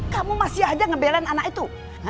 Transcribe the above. kamu masih ada ngebelan anak itu